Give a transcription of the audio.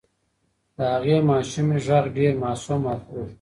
د هغې ماشومې غږ ډېر معصوم او خوږ و.